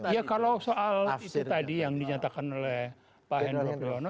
ya kalau soal itu tadi yang dinyatakan oleh pak hendro priyono